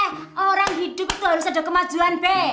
eh orang hidup itu harus ada kemajuan b